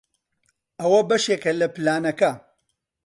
ئەوە بەشێکە لە پلانەکە.